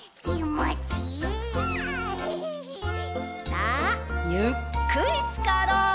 さあゆっくりつかろう！